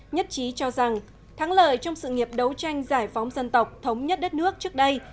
nhất trí cho rằng thắng lợi trong sự nghiệp đấu tranh giải phóng dân tộc thống nhất đất nước trước đây